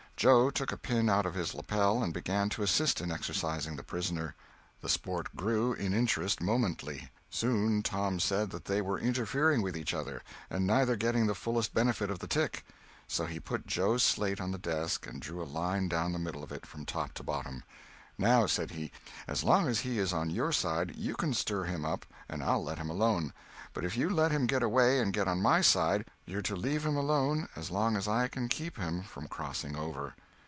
Joe took a pin out of his lapel and began to assist in exercising the prisoner. The sport grew in interest momently. Soon Tom said that they were interfering with each other, and neither getting the fullest benefit of the tick. So he put Joe's slate on the desk and drew a line down the middle of it from top to bottom. "Now," said he, "as long as he is on your side you can stir him up and I'll let him alone; but if you let him get away and get on my side, you're to leave him alone as long as I can keep him from crossing over."